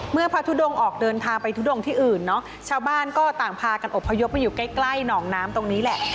เมื่อพระทุดงออกเดินทางไปทุดงที่อื่นเนาะชาวบ้านก็ต่างพากันอบพยพมาอยู่ใกล้ใกล้หนองน้ำตรงนี้แหละ